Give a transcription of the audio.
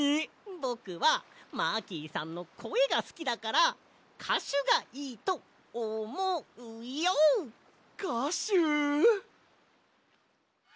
ぼくはマーキーさんのこえがすきだからかしゅがいいとおもうＹＯ！かしゅ！